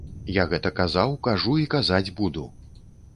Я гэта казаў, кажу і казаць буду.